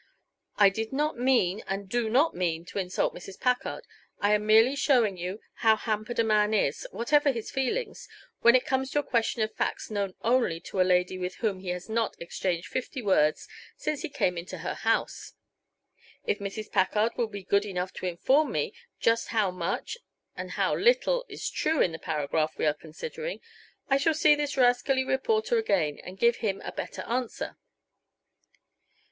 "I did not mean, and do not mean to insult Mrs. Packard. I am merely showing you how hampered a man is, whatever his feelings, when it comes to a question of facts known only to a lady with whom he has not exchanged fifty words since he came into her house. If Mrs. Packard will be good enough to inform me just how much and how little is true in the paragraph we are considering, I shall see this rascally reporter again and give him a better answer."